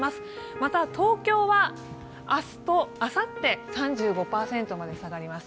また東京は明日とあさって３５％まで下がります。